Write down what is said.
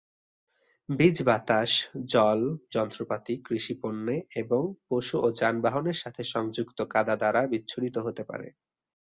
বীজ বাতাস, জল, যন্ত্রপাতি, কৃষি পণ্যে, এবং পশু ও যানবাহনের সাথে সংযুক্ত কাদা দ্বারা বিচ্ছুরিত হতে পারে।